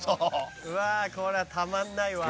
「うわこれはたまんないわ」